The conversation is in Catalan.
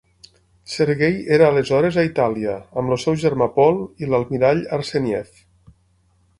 Sergei era aleshores a Itàlia amb el seu germà Paul i l'almirall Arseniev.